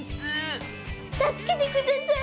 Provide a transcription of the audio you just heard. たすけてください。